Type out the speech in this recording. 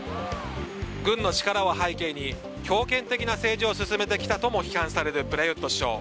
軍の力を背景に強権的な政治を進めてきたとも批判されるプラユット首相。